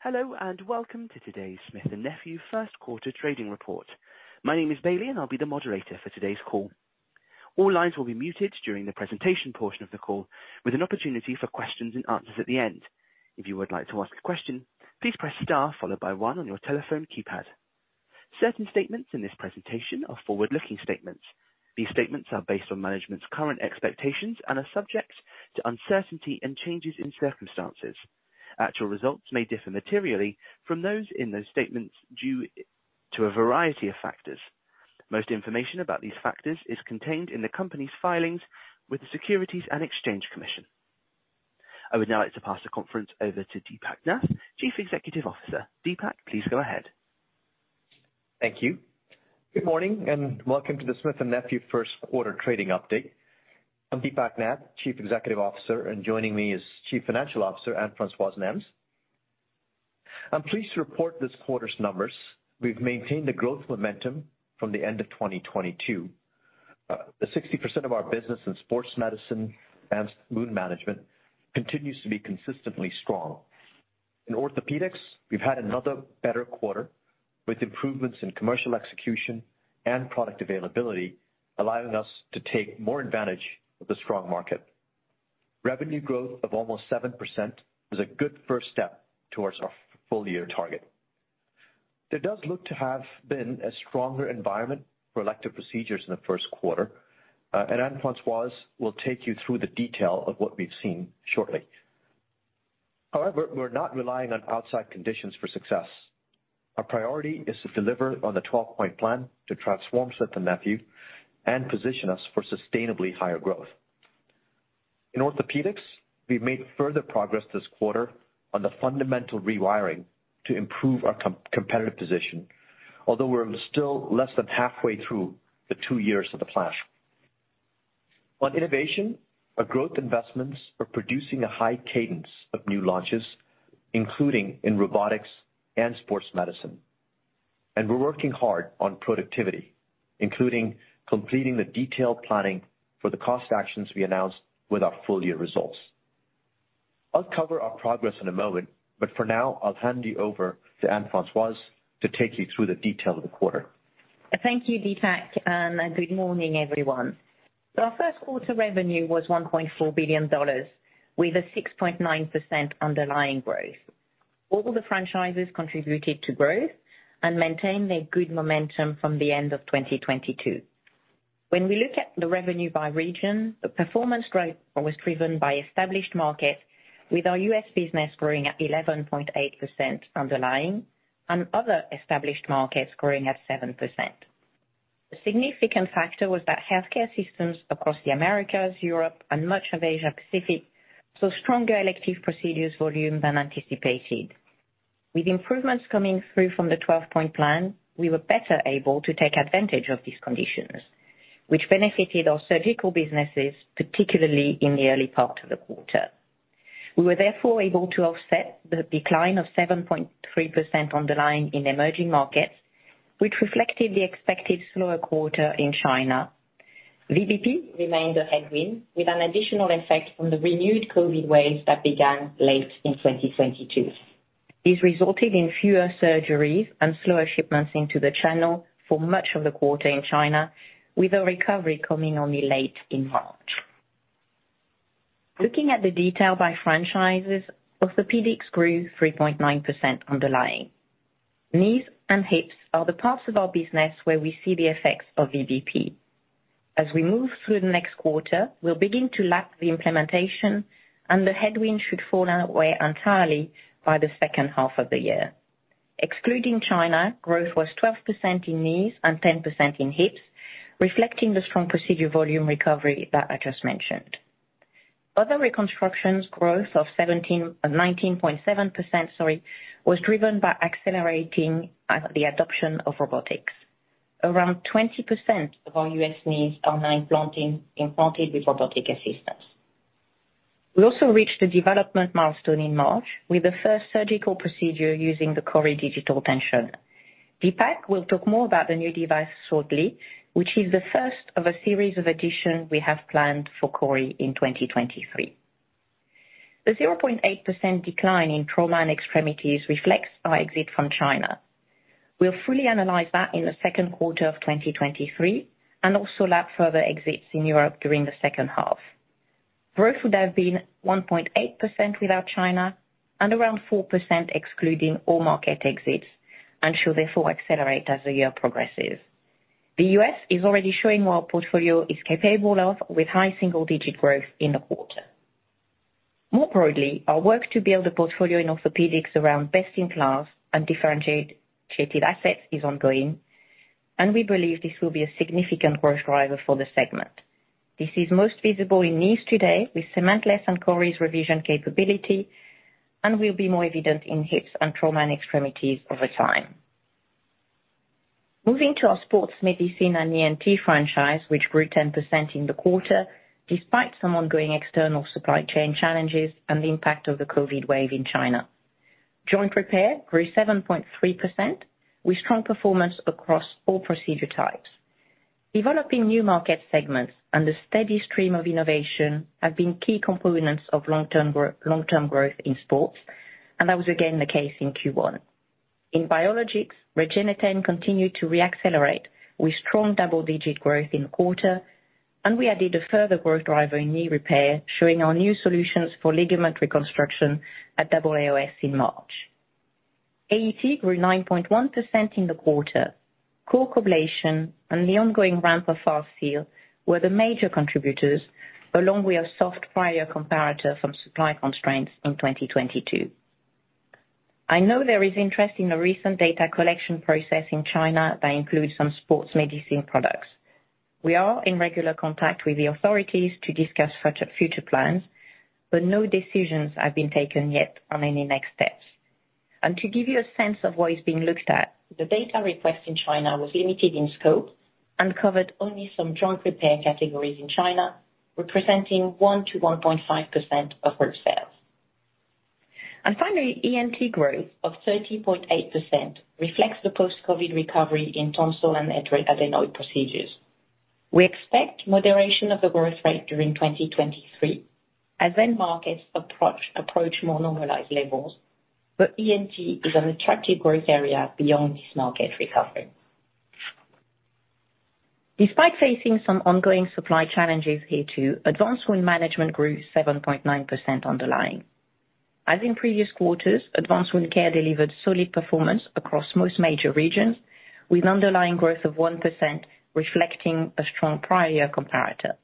Hello, welcome to today's Smith & Nephew Q1 trading report. My name is Bailey, and I'll be the moderator for today's call. All lines will be muted during the presentation portion of the call, with an opportunity for questions and answers at the end. If you would like to ask a question, please press star followed by one on your telephone keypad. Certain statements in this presentation are forward-looking statements. These statements are based on management's current expectations and are subject to uncertainty and changes in circumstances. Actual results may differ materially from those in those statements due to a variety of factors. Most information about these factors is contained in the company's filings with the Securities and Exchange Commission. I would now like to pass the conference over to Deepak Nath, Chief Executive Officer. Deepak, please go ahead. Thank you. Good morning, and welcome to the Smith & Nephew Q1 trading update. I'm Deepak Nath, Chief Executive Officer, and joining me is Chief Financial Officer, Anne-Françoise Nesmes. I'm pleased to report this quarter's numbers. We've maintained the growth momentum from the end of 2022. The 60% of our business in sports medicine and wound management continues to be consistently strong. In orthopedics, we've had another better quarter, with improvements in commercial execution and product availability, allowing us to take more advantage of the strong market. Revenue growth of almost 7% is a good first step towards our full year target. There does look to have been a stronger environment for elective procedures in the Q1, and Anne-Françoise will take you through the detail of what we've seen shortly. However, we're not relying on outside conditions for success. Our priority is to deliver on the 12-Point Plan to transform Smith & Nephew and position us for sustainably higher growth. In orthopedics, we've made further progress this quarter on the fundamental rewiring to improve our competitive position. Although we're still less than halfway through the two years of the plan. On innovation, our growth investments are producing a high cadence of new launches, including in robotics and sports medicine. We're working hard on productivity, including completing the detailed planning for the cost actions we announced with our full year results. I'll cover our progress in a moment, but for now, I'll hand you over to Anne-Françoise to take you through the detail of the quarter. Thank you, Deepak, good morning, everyone. Our Q1 revenue was $1.4 billion, with a 6.9% underlying growth. All the franchises contributed to growth and maintained a good momentum from the end of 2022. When we look at the revenue by region, the performance growth was driven by established markets, with our U.S. business growing at 11.8% underlying and other established markets growing at 7%. The significant factor was that healthcare systems across the Americas, Europe, and much of Asia Pacific, saw stronger elective procedures volume than anticipated. With improvements coming through from the 12-Point Plan, we were better able to take advantage of these conditions, which benefited our surgical businesses, particularly in the early part of the quarter. We were therefore able to offset the decline of 7.3% underlying in emerging markets, which reflected the expected slower quarter in China. VBP remained a headwind, with an additional effect from the renewed COVID wave that began late in 2022. This resulted in fewer surgeries and slower shipments into the channel for much of the quarter in China, with a recovery coming only late in March. Looking at the detail by franchises, orthopedics grew 3.9% underlying. Knees and hips are the parts of our business where we see the effects of VBP. As we move through the next quarter, we'll begin to lap the implementation, and the headwind should fall away entirely by the H2 of the year. Excluding China, growth was 12% in knees and 10% in hips, reflecting the strong procedure volume recovery that I just mentioned. Other reconstructions growth of 19.7%, sorry, was driven by accelerating the adoption of robotics. Around 20% of our U.S. knees are now implanted with robotic assistance. We also reached a development milestone in March with the first surgical procedure using the CORI Digital Tensioner. Deepak will talk more about the new device shortly, which is the first of a series of additions we have planned for CORI in 2023. The 0.8% decline in trauma and extremities reflects our exit from China. We'll fully analyze that in the Q2 of 2023 and also lap further exits in Europe during the H2. Growth would have been 1.8% without China and around 4% excluding all market exits and should therefore accelerate as the year progresses. The U.S. is already showing what our portfolio is capable of, with high single-digit growth in the quarter. More broadly, our work to build a portfolio in orthopedics around best-in-class and differentiated assets is ongoing, and we believe this will be a significant growth driver for the segment. This is most visible in knees today with cementless and CORI's revision capability and will be more evident in hips and trauma and extremities over time. Moving to our sports medicine and ENT franchise, which grew 10% in the quarter, despite some ongoing external supply chain challenges and the impact of the COVID wave in China. Joint repair grew 7.3% with strong performance across all procedure types. Developing new market segments and a steady stream of innovation have been key components of long-term growth in sports, and that was again the case in Q1. In biologics, REGENETEN continued to re-accelerate with strong double-digit growth in the quarter. We added a further growth driver in knee repair, showing our new solutions for ligament reconstruction at AAOS in March. AET grew 9.1% in the quarter. Core COBLATION and the ongoing ramp of FASTSEAL were the major contributors, along with a soft prior comparator from supply constraints in 2022. I know there is interest in the recent data collection process in China that includes some sports medicine products. We are in regular contact with the authorities to discuss future plans, no decisions have been taken yet on any next steps. To give you a sense of what is being looked at, the data request in China was limited in scope and covered only some joint repair categories in China, representing 1%-1.5% of those sales. Finally, ENT growth of 13.8% reflects the post-COVID recovery in tonsil and adenoid procedures. We expect moderation of the growth rate during 2023, and then markets approach more normalized levels, but ENT is an attractive growth area beyond this market recovery. Despite facing some ongoing supply challenges here too, Advanced Wound Management grew 7.9% underlying. As in previous quarters, Advanced Wound Care delivered solid performance across most major regions, with underlying growth of 1% reflecting a strong prior year comparator.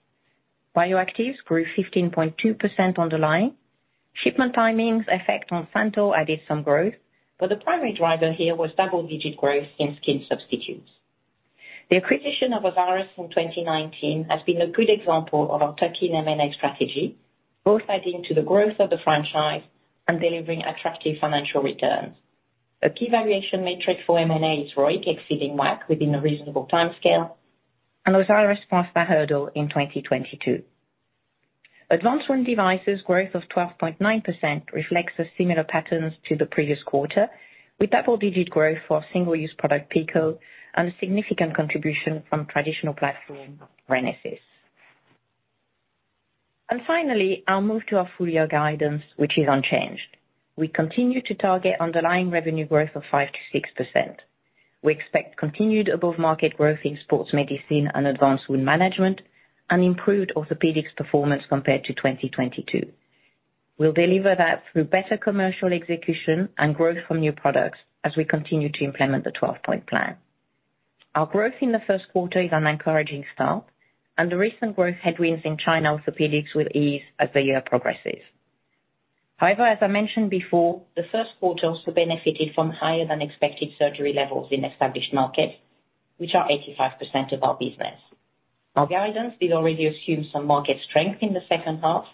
Bioactives grew 15.2% underlying. Shipment timings effect on SANTYL added some growth, but the primary driver here was double-digit growth in skin substitutes. The acquisition of Osiris in 2019 has been a good example of our tuck-in M&A strategy, both adding to the growth of the franchise and delivering attractive financial returns. A key valuation metric for M&A is ROIC exceeding WACC within a reasonable timescale, and Osiris passed that hurdle in 2022. Advanced Wound devices growth of 12.9% reflects the similar patterns to the previous quarter, with double-digit growth for single-use product PICO and significant contribution from traditional platform, RENASYS. Finally, I'll move to our full-year guidance, which is unchanged. We continue to target underlying revenue growth of 5%-6%. We expect continued above-market growth in Sports Medicine and Advanced Wound Management and improved Orthopedics performance compared to 2022. We'll deliver that through better commercial execution and growth from new products as we continue to implement the 12-Point Plan. Our growth in the Q1 is an encouraging start. The recent growth headwinds in China Orthopedics will ease as the year progresses. However, as I mentioned before, the Q1 also benefited from higher than expected surgery levels in established markets, which are 85% of our business. Our guidance did already assume some market strength in the H2.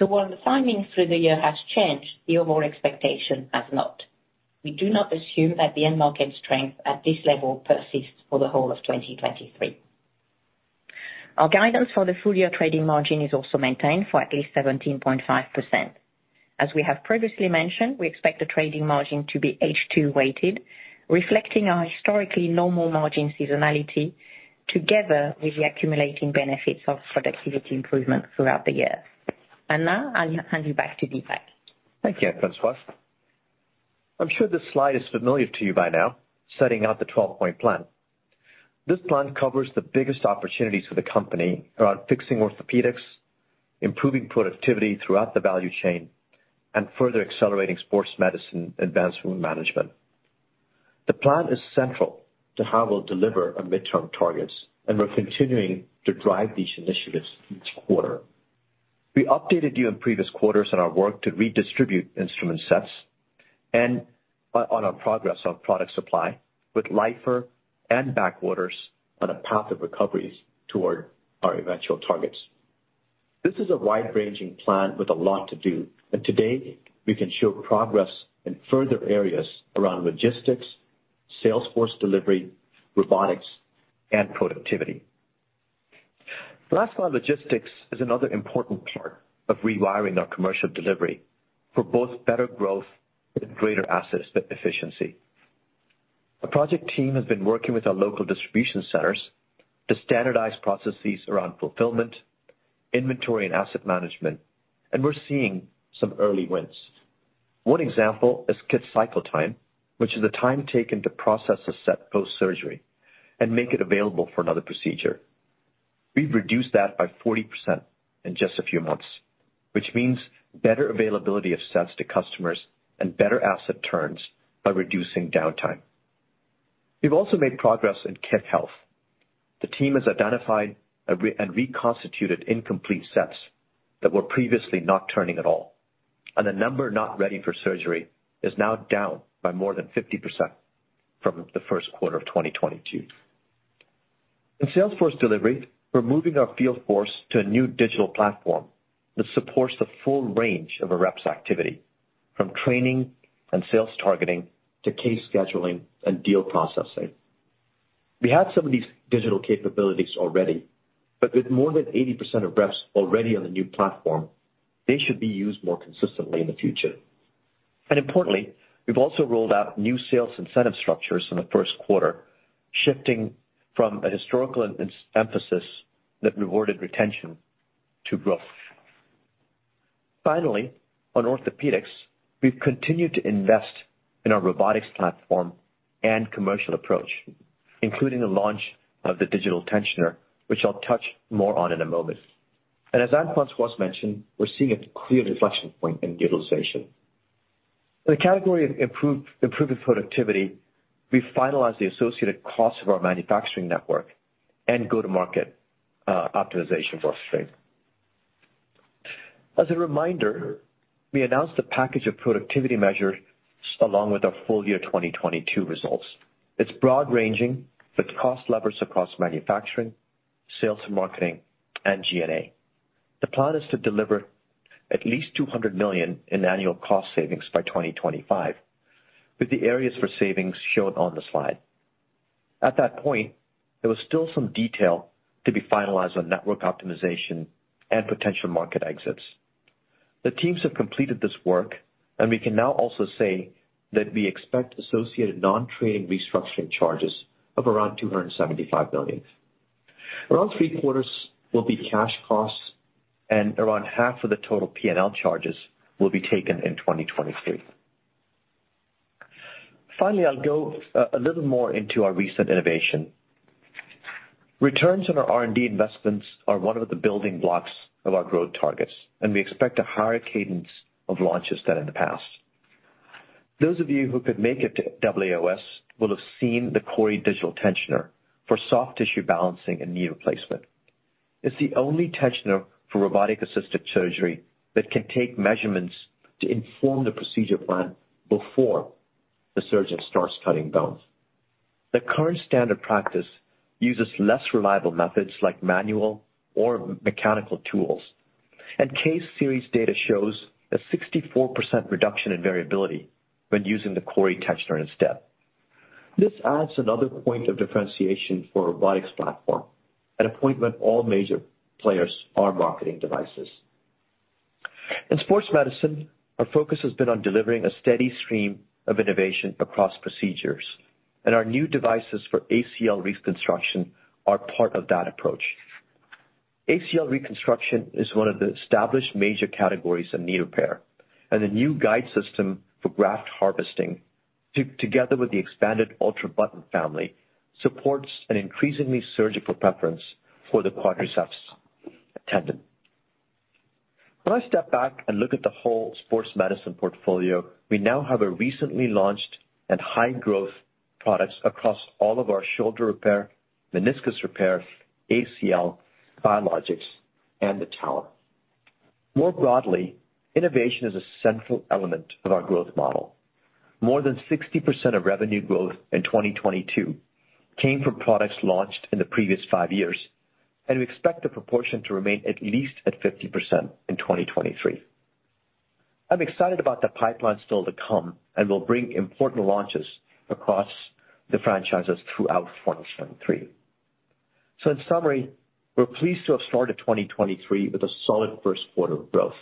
While the timing through the year has changed, the overall expectation has not. We do not assume that the end market strength at this level persists for the whole of 2023. Our guidance for the full-year trading margin is also maintained for at least 17.5%. As we have previously mentioned, we expect the trading margin to be H2 weighted, reflecting our historically normal margin seasonality together with the accumulating benefits of productivity improvement throughout the year. Now I'll hand you back to Deepak. Thank you, Francoise. I'm sure this slide is familiar to you by now, setting out the 12-Point Plan. This plan covers the biggest opportunities for the company around fixing Orthopedics, improving productivity throughout the value chain, and further accelerating Sports Medicine, Advanced Wound Management. The plan is central to how we'll deliver our midterm targets. We're continuing to drive these initiatives each quarter. We updated you in previous quarters on our work to redistribute instrument sets and on our progress on product supply with live orders and back orders on a path of recoveries toward our eventual targets. This is a wide-ranging plan with a lot to do. Today we can show progress in further areas around logistics, sales force delivery, robotics, and productivity. Last mile logistics is another important part of rewiring our commercial delivery for both better growth and greater asset efficiency. A project team has been working with our local distribution centers to standardize processes around fulfillment, inventory, and asset management, we're seeing some early wins. One example is kit cycle time, which is the time taken to process a set post-surgery and make it available for another procedure. We've reduced that by 40% in just a few months, which means better availability of sets to customers and better asset turns by reducing downtime. We've also made progress in kit health. The team has identified and reconstituted incomplete sets that were previously not turning at all. The number not ready for surgery is now down by more than 50% from the Q1 of 2022. In sales force delivery, we're moving our field force to a new digital platform that supports the full range of a rep's activity, from training and sales targeting to case scheduling and deal processing. We had some of these digital capabilities already, with more than 80% of reps already on the new platform, they should be used more consistently in the future. Importantly, we've also rolled out new sales incentive structures in the Q1, shifting from a historical emphasis that rewarded retention to growth. Finally, on orthopedics, we've continued to invest in our robotics platform and commercial approach, including the launch of the Digital Tensioner, which I'll touch more on in a moment. As Francoise mentioned, we're seeing a clear inflection point in utilization. In the category of improving productivity, we finalized the associated costs of our manufacturing network and go-to-market optimization work stream. As a reminder, we announced a package of productivity measures along with our full year 2022 results. It's broad ranging with cost levers across manufacturing, sales and marketing, and G&A. The plan is to deliver at least $200 million in annual cost savings by 2025, with the areas for savings shown on the slide. At that point, there was still some detail to be finalized on network optimization and potential market exits. The teams have completed this work, and we can now also say that we expect associated non-trading restructuring charges of around $275 million. Around three quarters will be cash costs and around half of the total P&L charges will be taken in 2023. Finally, I'll go a little more into our recent innovation. Returns on our R&D investments are one of the building blocks of our growth targets. We expect a higher cadence of launches than in the past. Those of you who could make it to AAOS will have seen the CORI Digital Tensioner for soft tissue balancing and knee replacement. It's the only tensioner for robotic-assisted surgery that can take measurements to inform the procedure plan before the surgeon starts cutting bones. The current standard practice uses less reliable methods like manual or mechanical tools. Case series data shows a 64% reduction in variability when using the CORI tensioner instead. This adds another point of differentiation for a robotics platform, and a point when all major players are marketing devices. In sports medicine, our focus has been on delivering a steady stream of innovation across procedures, and our new devices for ACL reconstruction are part of that approach. ACL reconstruction is one of the established major categories of knee repair, and the new guide system for graft harvesting, together with the expanded ULTRABUTTON family, supports an increasingly surgical preference for the quadriceps tendon. When I step back and look at the whole Sports Medicine portfolio, we now have a recently launched and high growth products across all of our shoulder repair, meniscus repair, ACL, biologics, and the tower. More broadly, innovation is a central element of our growth model. More than 60% of revenue growth in 2022 came from products launched in the previous five years, and we expect the proportion to remain at least at 50% in 2023. I'm excited about the pipeline still to come, and we'll bring important launches across the franchises throughout 2023. In summary, we're pleased to have started 2023 with a solid Q1 of growth.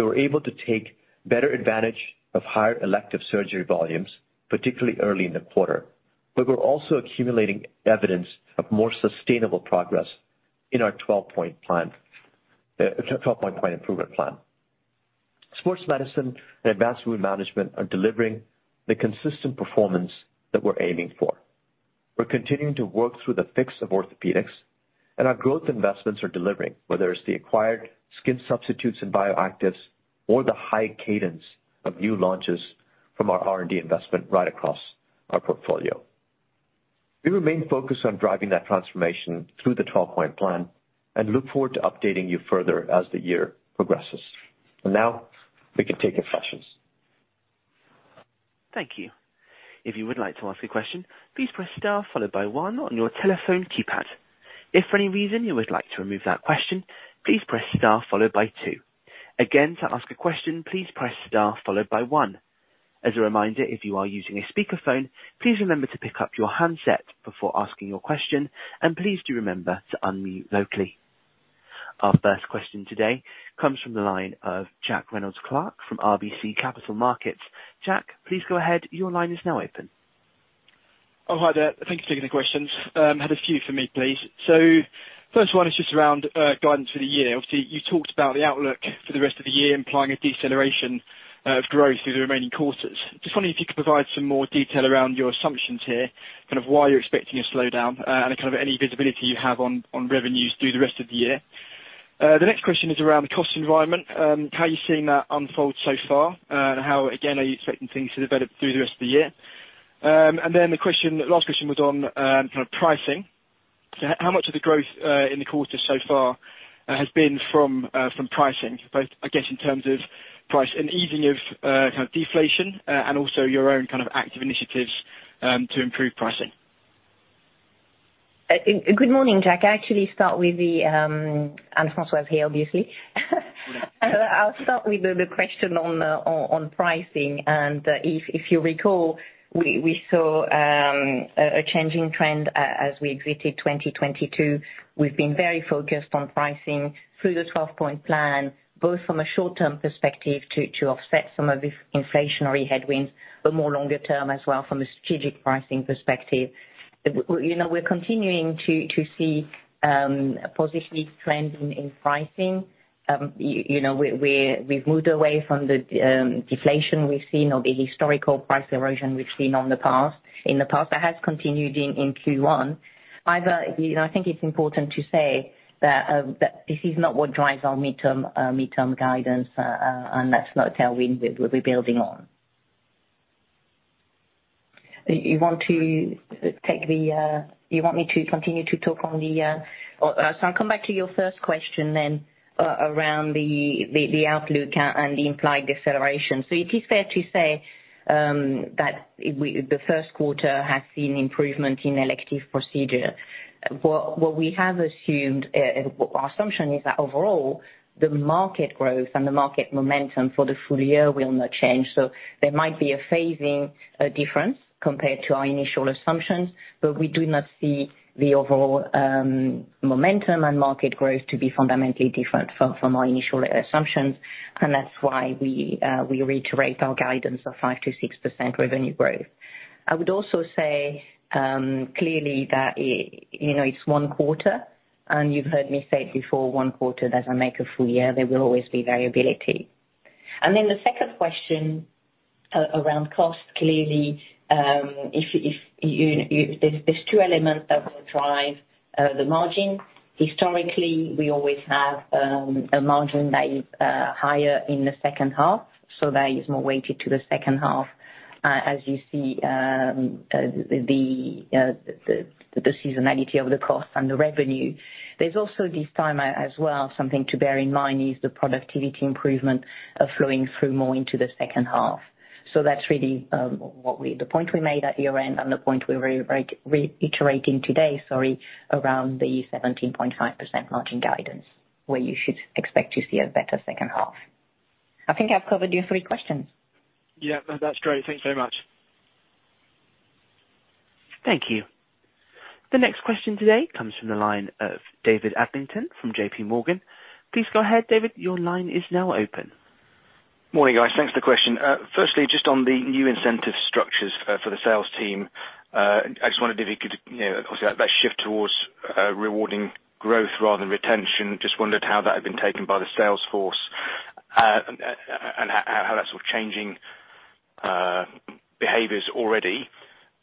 We were able to take better advantage of higher elective surgery volumes, particularly early in the quarter, but we're also accumulating evidence of more sustainable progress in our 12-Point Plan improvement plan. Sports Medicine and Advanced Wound Management are delivering the consistent performance that we're aiming for. We're continuing to work through the fix of Orthopedics, and our growth investments are delivering, whether it's the acquired skin substitutes and bioactives or the high cadence of new launches from our R&D investment right across our portfolio. We remain focused on driving that transformation through the 12-Point Plan and look forward to updating you further as the year progresses. Now we can take your questions. Thank you. If you would like to ask a question, please press star one on your telephone keypad. If for any reason you would like to remove that question, please press star two. Again, to ask a question, please press star one. As a reminder, if you are using a speaker phone, please remember to pick up your handset before asking your question, and please do remember to unmute locally. Our first question today comes from the line of Jack Reynolds-Clark from RBC Capital Markets. Jack, please go ahead. Your line is now open. Hi there. Thank you for taking the questions. Had a few for me, please. First one is just around guidance for the year. Obviously, you talked about the outlook for the rest of the year, implying a deceleration of growth through the remaining quarters. Just wondering if you could provide some more detail around your assumptions here, kind of why you're expecting a slowdown, and kind of any visibility you have on revenues through the rest of the year. The next question is around the cost environment, how are you seeing that unfold so far, and how, again, are you expecting things to develop through the rest of the year? The last question was on kind of pricing. How much of the growth in the quarter so far, has been from pricing, both, I guess, in terms of price and easing of kind of deflation, and also your own kind of active initiatives to improve pricing? Good morning, Jack. I actually start with the Anne-Françoise here, obviously. I'll start with the question on pricing. If you recall, we saw a changing trend as we exited 2022. We've been very focused on pricing through the 12-Point Plan, both from a short-term perspective to offset some of the inflationary headwinds, but more longer term as well from a strategic pricing perspective. We, you know, we're continuing to see a positive trend in pricing. You know, we've moved away from the deflation we've seen or the historical price erosion we've seen on the past, in the past. That has continued in Q1. You know, I think it's important to say that this is not what drives our midterm guidance, and that's not a tailwind that we'll be building on. You want to take the? You want me to continue to talk on the? I'll come back to your first question then around the outlook and the implied deceleration. It is fair to say, that the Q1 has seen improvement in elective procedure. What we have assumed, our assumption is that overall the market growth and the market momentum for the full year will not change. There might be a phasing, difference compared to our initial assumptions, but we do not see the overall, momentum and market growth to be fundamentally different from our initial, assumptions. That's why we reiterate our guidance of 5%-6% revenue growth. I would also say, clearly that it, you know, it's one quarter, and you've heard me say it before, one quarter doesn't make a full year. There will always be variability. Then the second question around cost, clearly, if you, there's two elements that will drive the margin. Historically, we always have a margin that is higher in the H2, so that is more weighted to the H2, as you see the seasonality of the cost and the revenue. There's also this time as well, something to bear in mind, is the productivity improvement flowing through more into the H2. That's really, the point we made at year-end and the point we're reiterating today, sorry, around the 17.5% margin guidance, where you should expect to see a better H2. I think I've covered your three questions. Yeah, that's great. Thank you so much. Thank you. The next question today comes from the line of David Adlington from JP Morgan. Please go ahead, David. Your line is now open. Morning, guys. Thanks for the question. Firstly, just on the new incentive structures for the sales team, I just wondered if you could, you know, obviously that shift towards rewarding growth rather than retention. Just wondered how that had been taken by the sales force and how that's sort of changing behaviors already.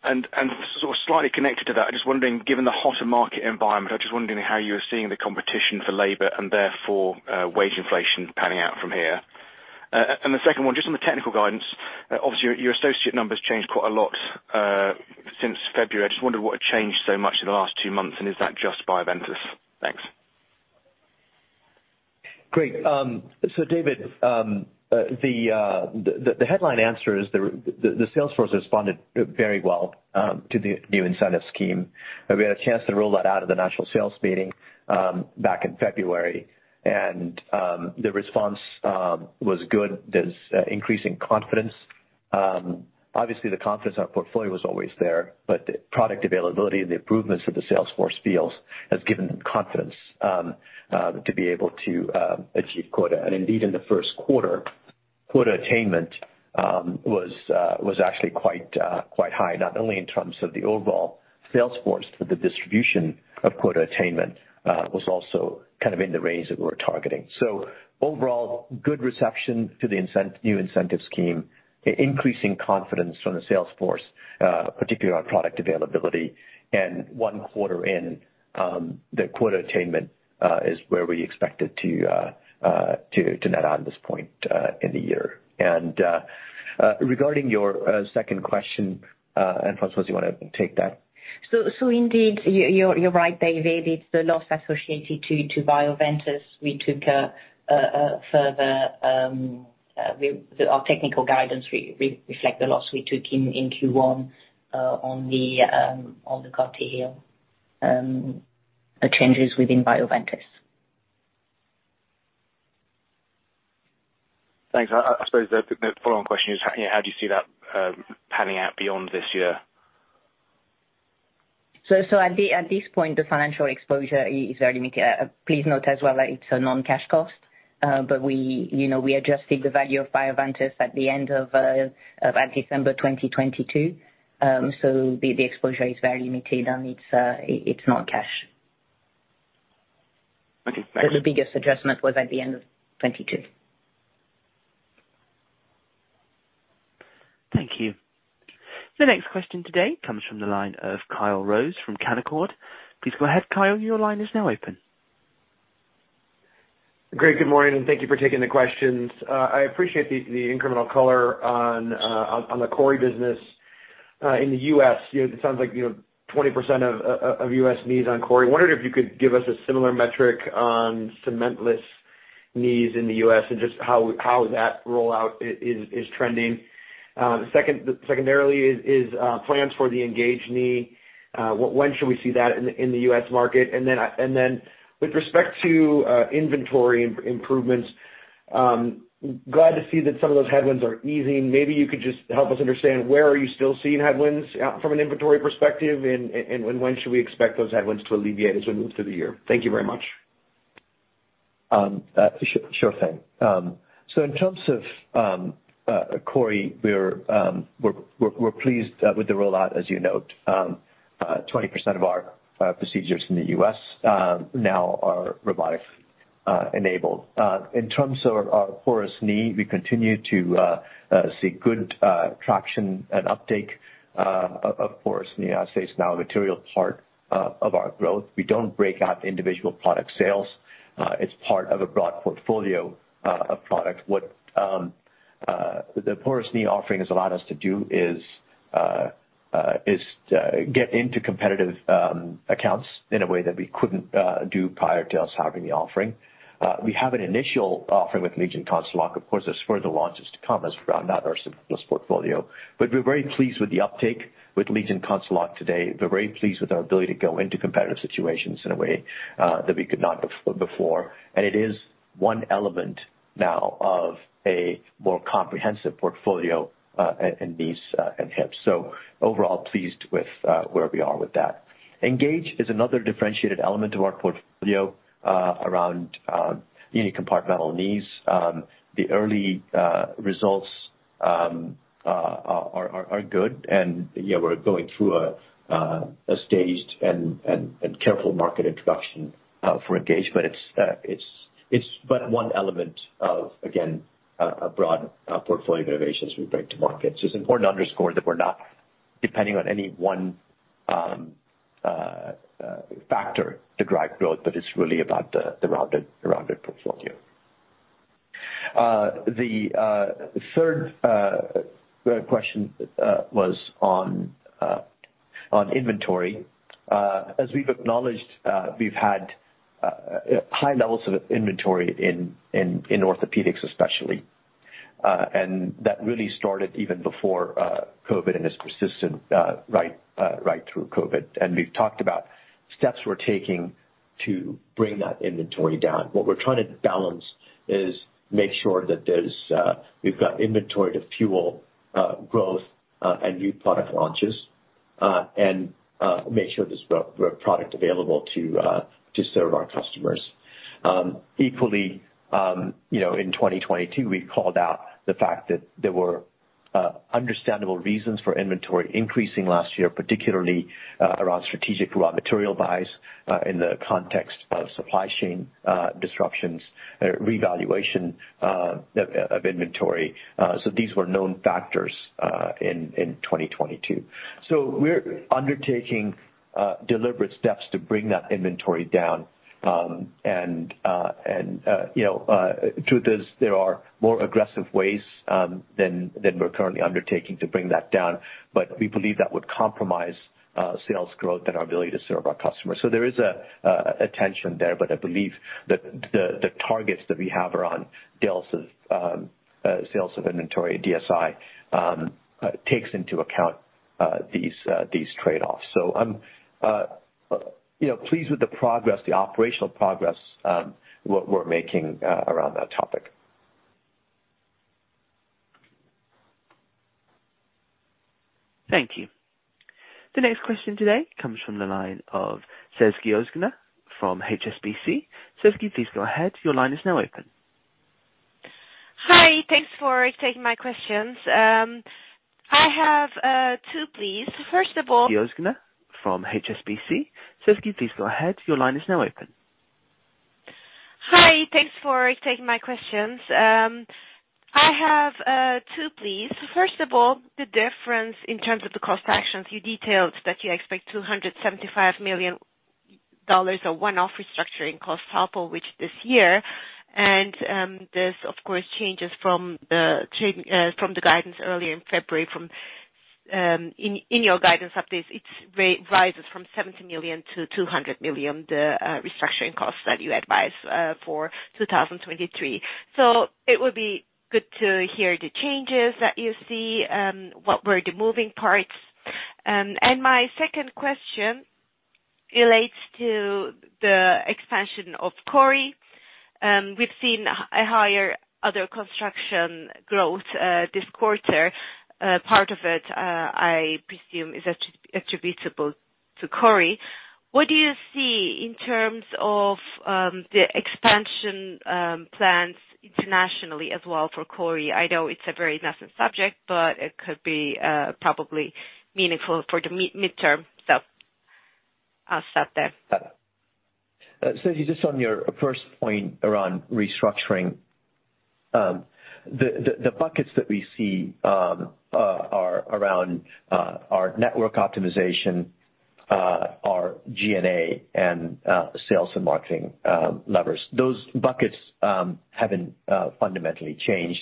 Sort of slightly connected to that, just wondering, given the hotter market environment, I'm just wondering how you're seeing the competition for labor and therefore, wage inflation panning out from here. The second one, just on the technical guidance, obviously your associate numbers changed quite a lot since February. I just wondered what had changed so much in the last two months, and is that just Bioventus? Thanks. Great. So David, the headline answer is the sales force responded very well to the new incentive scheme. We had a chance to roll that out at the national sales meeting back in February. The response was good. There's increasing confidence. Obviously the confidence in our portfolio was always there, but the product availability and the improvements that the sales force feels has given them confidence to be able to achieve quota. Indeed, in the Q1, quota attainment was actually quite high, not only in terms of the overall sales force, but the distribution of quota attainment was also kind of in the range that we were targeting. Overall, good reception to the new incentive scheme, increasing confidence from the sales force, particularly on product availability. One quarter in, the quota attainment is where we expect it to net on this point in the year. Regarding your second question, and Francoise, you wanna take that? Indeed, you're right, David. It's the loss associated to BioVentus. We took a further our technical guidance reflect the loss we took in Q1 on the CartiHeal changes within BioVentus. Thanks. I suppose the follow-on question is, you know, how do you see that panning out beyond this year? At this point, the financial exposure is very limited. Please note as well that it's a non-cash cost, but we, you know, we adjusted the value of Bioventus at the end of December 2022. The exposure is very limited, and it's not cash. Okay. Thanks. The biggest adjustment was at the end of 2022. Thank you. The next question today comes from the line of Kyle Rose from Canaccord. Please go ahead, Kyle. Your line is now open. Great. Good morning. Thank you for taking the questions. I appreciate the incremental color on the CORI business in the U.S. You know, it sounds like, you know, 20% of U.S. needs on CORI. Wondered if you could give us a similar metric on cementless needs in the U.S. and just how that rollout is trending. The secondarily is plans for the ENGAGE knee. When should we see that in the U.S. market? With respect to inventory improvements, glad to see that some of those headwinds are easing. Maybe you could just help us understand where are you still seeing headwinds out from an inventory perspective, and when should we expect those headwinds to alleviate as we move through the year? Thank you very much. Sure thing. In terms of CORI, we're pleased with the rollout, as you note. 20% of our procedures in the U.S. now are Revive enabled. In terms of our Porous knee, we continue to see good traction and uptake. Of course, in the United States, now a material part of our growth. We don't break out individual product sales. It's part of a broad portfolio of product. What the Porous knee offering has allowed us to do is get into competitive accounts in a way that we couldn't do prior to us having the offering. We have an initial offering with LEGION CONCELOC. Of course, there's further launches to come as we round out our cementless portfolio. We're very pleased with the uptake with LEGION CONCELOC today. We're very pleased with our ability to go into competitive situations in a way that we could not before. It is one element now of a more comprehensive portfolio in knees and hips. Overall, pleased with where we are with that. ENGAGE is another differentiated element of our portfolio around uni-compartmental knees. The early results are good. Yeah, we're going through a staged and careful market introduction for ENGAGE, but it's but one element of, again, a broad portfolio of innovations we bring to market. It's important to underscore that we're not depending on any one factor to drive growth, but it's really about the rounded portfolio. The third question was on inventory. As we've acknowledged, we've had high levels of inventory in orthopedics especially. That really started even before COVID and has persisted right through COVID. We've talked about steps we're taking to bring that inventory down. What we're trying to balance is make sure that there's we've got inventory to fuel growth and new product launches and make sure there's the product available to serve our customers. Equally, you know, in 2022, we called out the fact that there were understandable reasons for inventory increasing last year, particularly around strategic raw material buys in the context of supply chain disruptions, revaluation of inventory. These were known factors in 2022. We're undertaking deliberate steps to bring that inventory down. You know, truth is there are more aggressive ways than we're currently undertaking to bring that down. We believe that would compromise sales growth and our ability to serve our customers. There is a tension there, but I believe that the targets that we have around deals of sales of inventory at DSI takes into account these trade-offs. I'm, you know, pleased with the progress, the operational progress, what we're making, around that topic. Thank you. The next question today comes from the line of Sezgin Ozgener from HSBC. Sezgin, please go ahead. Your line is now open. Hi. Thanks for taking my questions. I have two, please. Ozgener from HSBC. Sezgin, please go ahead. Your line is now open. Hi. Thanks for taking my questions. I have two, please. First of all, the difference in terms of the cost actions. You detailed that you expect $275 million of one-off restructuring costs, total, which this year, and this of course changes from the change from the guidance earlier in February from in your guidance update, it rises from $70 million to $200 million, the restructuring costs that you advise for 2023. It would be good to hear the changes that you see, what were the moving parts. My second question relates to the expansion of CORI. We've seen higher other construction growth this quarter. Part of it, I presume is attributable to CORI. What do you see in terms of the expansion plans internationally as well for CORI? I know it's a very nascent subject, but it could be probably meaningful for the midterm. I'll stop there. Sezgin, just on your first point around restructuring, the buckets that we see are around our network optimization, our G&A and sales and marketing levers. Those buckets haven't fundamentally changed.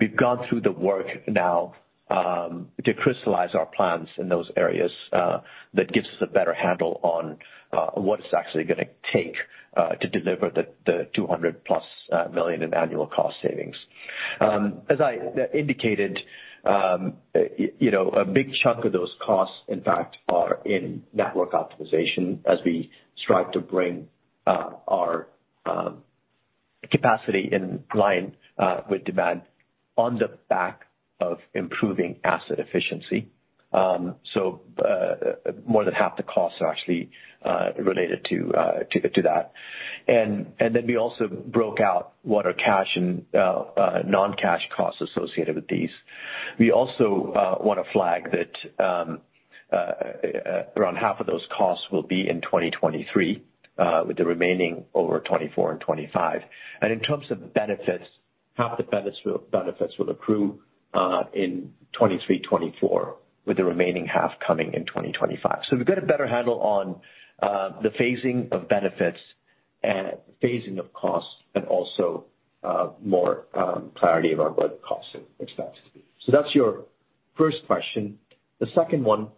We've gone through the work now to crystallize our plans in those areas, that gives us a better handle on what it's actually gonna take to deliver the $200+ million in annual cost savings. As I indicated, you know, a big chunk of those costs, in fact, are in network optimization as we strive to bring our capacity in line with demand on the back of improving asset efficiency. More than half the costs are actually related to that. We also broke out what are cash and non-cash costs associated with these. We want to flag that around half of those costs will be in 2023, with the remaining over 2024 and 2025. In terms of benefits, half the benefits will accrue in 2023, 2024, with the remaining half coming in 2025. We've got a better handle on the phasing of benefits and phasing of costs and also more clarity around what costs and expenses. That's your first question. The second one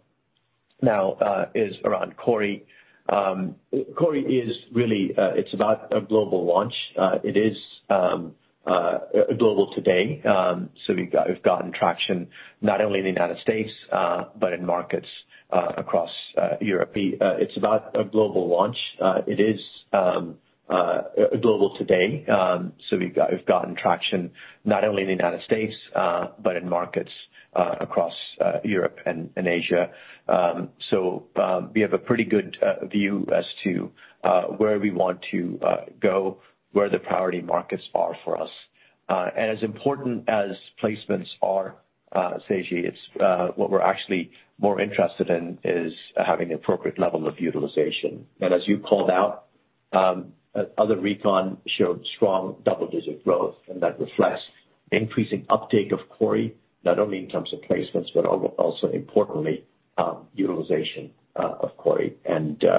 now is around CORI. CORI is really, it's not a global launch. It is global today. We've gotten traction not only in the United States, but in markets across Europe. It's about a global launch. It is global today. We've gotten traction not only in the United States, but in markets across Europe and Asia. We have a pretty good view as to where we want to go, where the priority markets are for us. As important as placements are, Seji, it's what we're actually more interested in is having the appropriate level of utilization. As you called out, other recon showed strong double-digit growth, and that reflects increasing uptake of CORI, not only in terms of placements, but also importantly, utilization of CORI.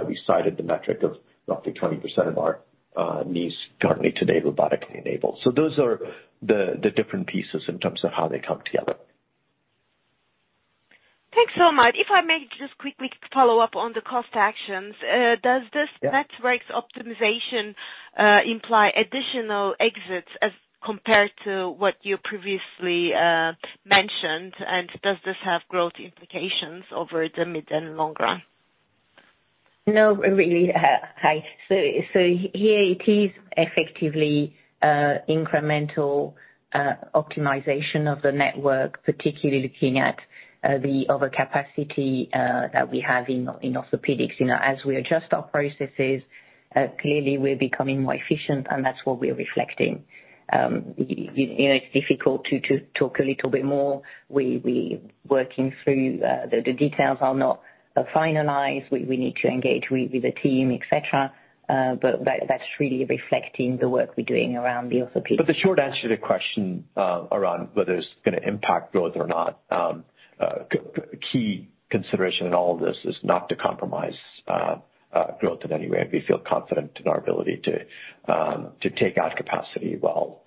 We cited the metric of roughly 20% of our knees currently today robotically enabled. Those are the different pieces in terms of how they come together. Thanks so much. If I may just quickly follow up on the cost actions. Yeah. networks optimization, imply additional exits as compared to what you previously, mentioned? Does this have growth implications over the mid and long run? No, really. Hi. Here it is effectively, incremental optimization of the network, particularly looking at the overcapacity that we have in orthopedics. You know, as we adjust our processes, clearly we're becoming more efficient, and that's what we're reflecting. You know, it's difficult to talk a little bit more. We working through, the details are not finalized. We need to engage with the team, et cetera. That's really reflecting the work we're doing around the orthopedics. The short answer to the question, around whether it's going to impact growth or not, key consideration in all of this is not to compromise, growth in any way. We feel confident in our ability to take out capacity while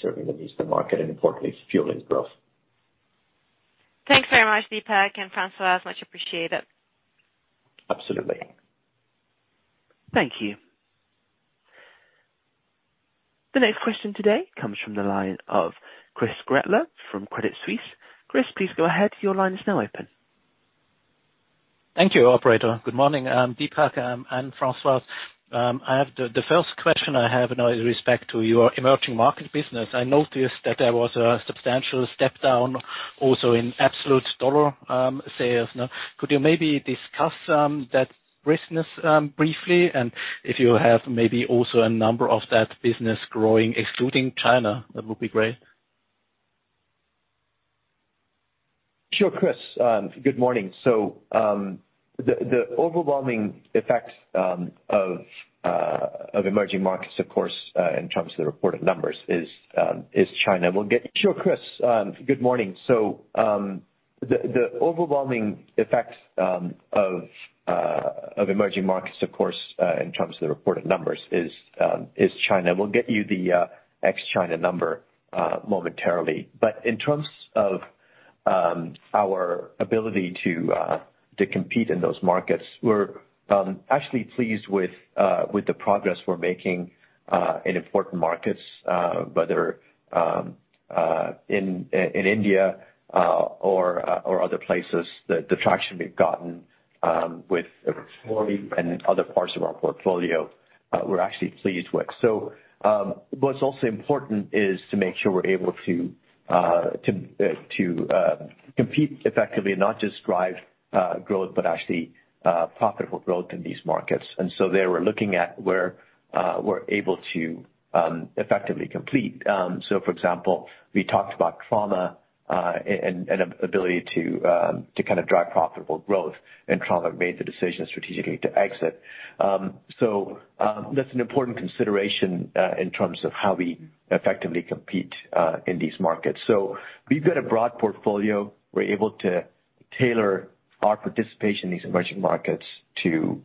serving the needs of the market and importantly, fueling growth. Thanks very much, Deepak and Francoise. Much appreciated. Absolutely. Thank you. The next question today comes from the line of Christoph Gretler from Credit Suisse. Chris, please go ahead. Your line is now open. Thank you, operator. Good morning, Deepak, and Francoise. I have the first question I have now is respect to your emerging market business. I noticed that there was a substantial step down also in absolute dollar sales. Could you maybe discuss that business briefly? If you have maybe also a number of that business growing, excluding China, that would be great. Sure, Chris, good morning. The overwhelming effects of emerging markets, of course, in terms of the reported numbers is China. We'll get you the ex-China number momentarily. In terms of our ability to compete in those markets, we're actually pleased with the progress we're making in important markets, whether in India or other places. The traction we've gotten with exploring and other parts of our portfolio, we're actually pleased with. What's also important is to make sure we're able to compete effectively and not just drive growth, but actually profitable growth in these markets. There we're looking at where we're able to effectively compete. For example, we talked about trauma and ability to kind of drive profitable growth, and trauma made the decision strategically to exit. That's an important consideration in terms of how we effectively compete in these markets. We've got a broad portfolio. We're able to tailor our participation in these emerging markets to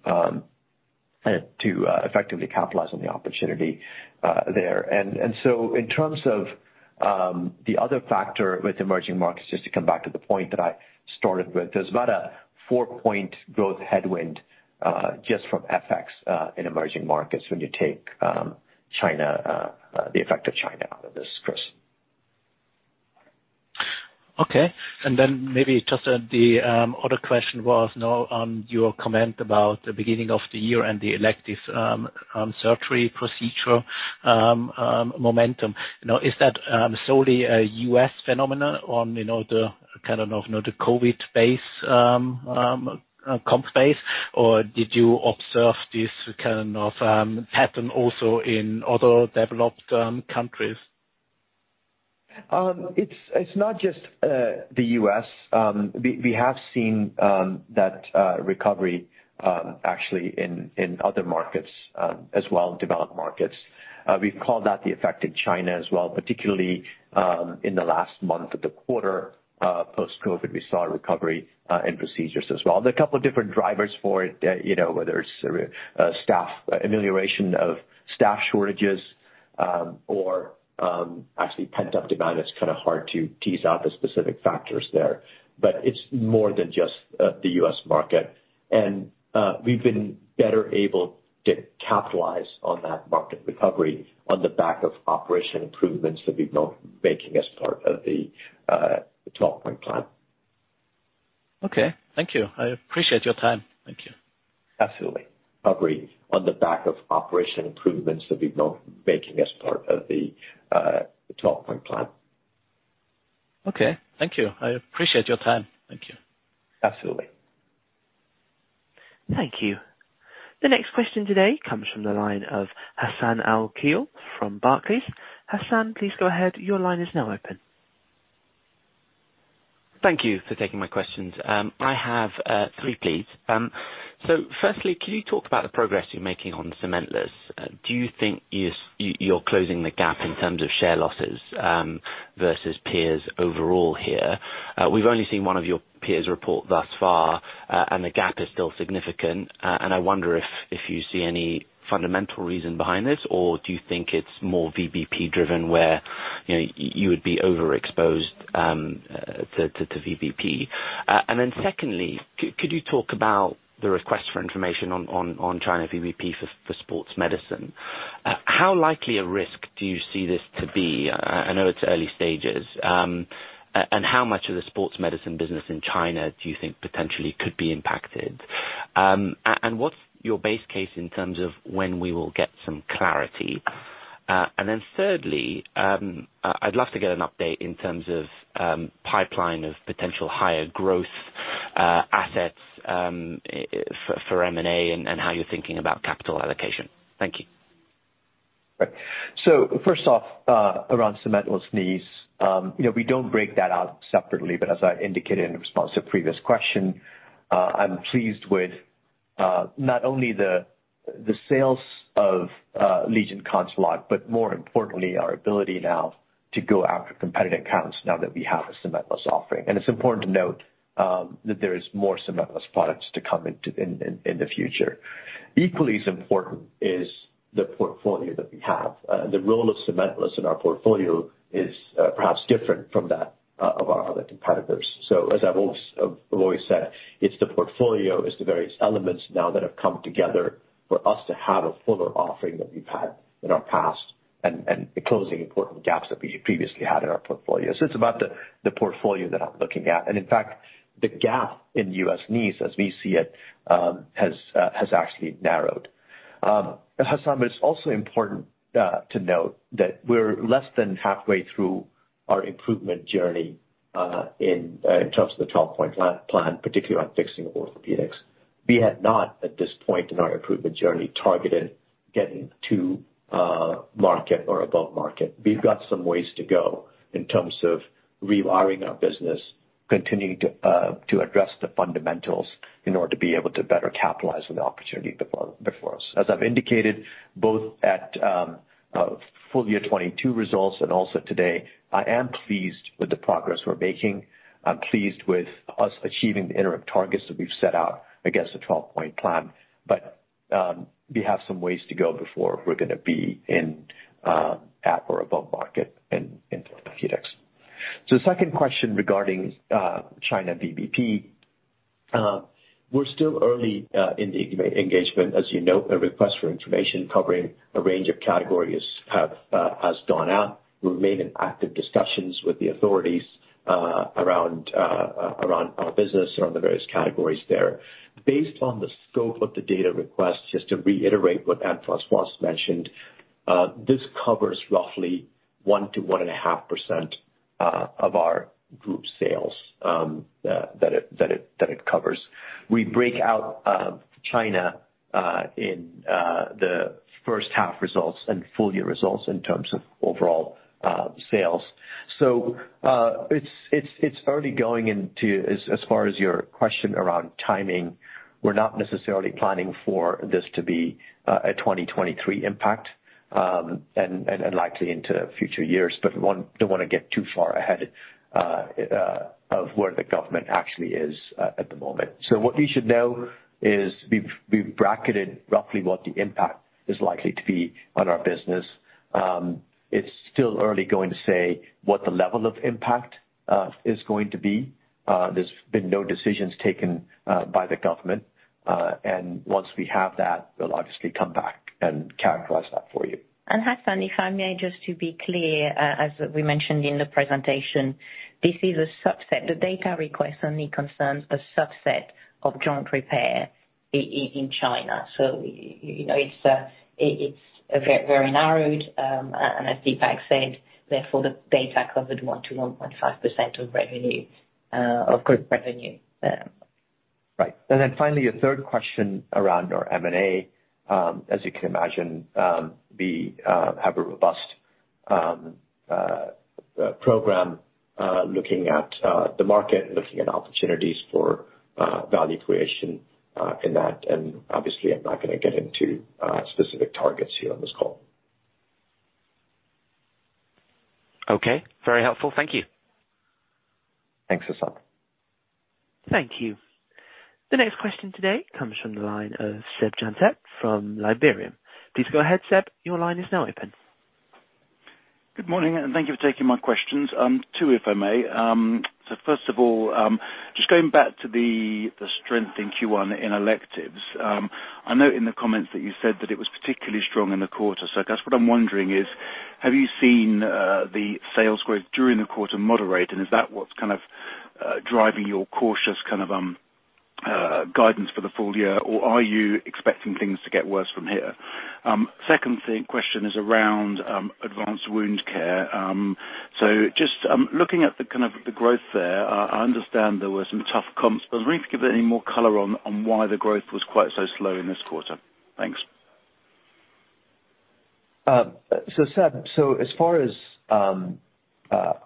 effectively capitalize on the opportunity there. In terms of the other factor with emerging markets, just to come back to the point that I started with. There's about a four-point growth headwind, just from FX, in emerging markets when you take the effect of China out of this, Chris. Okay. Maybe just the other question was now on your comment about the beginning of the year and the elective surgery procedure momentum. You know, is that solely a U.S. phenomena on, you know, the kind of, you know, the COVID base comp base, or did you observe this kind of pattern also in other developed countries? It's not just the U.S. We have seen that recovery actually in other markets as well as developed markets. We call that the effect in China as well, particularly in the last month of the quarter, post-COVID, we saw a recovery in procedures as well. There are a couple of different drivers for it, you know, whether it's amelioration of staff shortages, or actually pent-up demand, it's kinda hard to tease out the specific factors there. It's more than just the U.S. market. We've been better able to capitalize on that market recovery on the back of operation improvements that we've been making as part of the 12-Point Plan. Okay. Thank you. I appreciate your time. Thank you. Absolutely. Agree. On the back of operation improvements that we've been making as part of the 12-Point Plan. Okay. Thank you. I appreciate your time. Thank you. Absolutely. Thank you. The next question today comes from the line of Hassan Al-Wakeel from Barclays. Hassan, please go ahead. Your line is now open. Thank you for taking my questions. I have three, please. Firstly, can you talk about the progress you're making on cementless? Do you think you're closing the gap in terms of share losses versus peers overall here? We've only seen one of your peers report thus far, and the gap is still significant. And I wonder if you see any fundamental reason behind this or do you think it's more VBP driven where, you know, you would be overexposed to VBP. Secondly, could you talk about the request for information on China VBP for Sports Medicine? How likely a risk do you see this to be? I know it's early stages. How much of the sports medicine business in China do you think potentially could be impacted? What's your base case in terms of when we will get some clarity? Thirdly, I'd love to get an update in terms of pipeline of potential higher growth assets for M&A and how you're thinking about capital allocation. Thank you. First off, around cementless knees. You know, we don't break that out separately, but as I indicated in response to a previous question, I'm pleased with not only the sales of LEGION CONCELOC, but more importantly, our ability now to go after competitive accounts now that we have a cementless offering. It's important to note that there is more cementless products to come in the future. Equally as important is the portfolio that we have. The role of cementless in our portfolio is perhaps different from that of our other competitors. As I've always said, it's the portfolio, it's the various elements now that have come together for us to have a fuller offering than we've had in our past and closing important gaps that we previously had in our portfolio. It's about the portfolio that I'm looking at. In fact, the gap in U.S. knees, as we see it, has actually narrowed. Hassan, it's also important to note that we're less than halfway through our improvement journey in terms of the 12-Point Plan, particularly on fixing orthopedics. We had not, at this point in our improvement journey, targeted getting to market or above market. We've got some ways to go in terms of rewiring our business, continuing to address the fundamentals in order to be able to better capitalize on the opportunity before us. As I've indicated, both at full year 2022 results and also today, I am pleased with the progress we're making. I'm pleased with us achieving the interim targets that we've set out against the 12-Point Plan. We have some ways to go before we're gonna be at or above market in orthopedics. Second question regarding China VBP. We're still early in the engagement. As you know, a request for information covering a range of categories has gone out. We remain in active discussions with the authorities around our business, around the various categories there. Based on the scope of the data request, just to reiterate what Anne-Françoise mentioned, this covers roughly 1% to 1.5% of our group sales that it covers. We break out China in the H1 results and full year results in terms of overall sales. It's early going into... As far as your question around timing, we're not necessarily planning for this to be a 2023 impact. Likely into future years, but one don't wanna get too far ahead of where the government actually is at the moment. What you should know is we've bracketed roughly what the impact is likely to be on our business. It's still early going to say what the level of impact is going to be. There's been no decisions taken by the government. Once we have that, we'll obviously come back and characterize that for you. Hassan, if I may, just to be clear, as we mentioned in the presentation, this is a subset. The data request only concerns a subset of joint repair in China. You know, it's very narrowed, and as Deepak said, therefore, the data covered 1%-1.5% of revenue of group revenue. Yeah. Right. Finally, your third question around our M&A. As you can imagine, we have a robust program looking at the market, looking at opportunities for value creation in that. Obviously, I'm not gonna get into specific targets here on this call. Okay. Very helpful. Thank you. Thanks, Hassan. Thank you. The next question today comes from the line of Seb Jantet from Liberum. Please go ahead, Seb. Your line is now open. Good morning, and thank you for taking my questions. Two, if I may. First of all, just going back to the strength in Q1 in electives, I know in the comments that you said that it was particularly strong in the quarter. I guess what I'm wondering is, have you seen the sales growth during the quarter moderate? Is that what's kind of driving your cautious kind of guidance for the full year? Or are you expecting things to get worse from here? Second thing, question is around advanced wound care. Just looking at the kind of the growth there, I understand there were some tough comps, but can we give any more color on why the growth was quite so slow in this quarter? Thanks. Seb, as far as our